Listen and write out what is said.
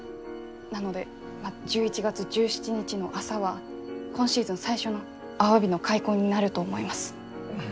なので１１月１７日の朝は今シーズン最初のアワビの開口になると思います。